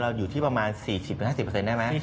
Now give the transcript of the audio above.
เราอยู่ที่ประมาณ๔๐๕๐เปอร์เซ็นต์ได้มั้ย